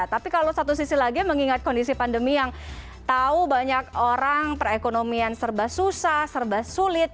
tapi kalau satu sisi lagi mengingat kondisi pandemi yang tahu banyak orang perekonomian serba susah serba sulit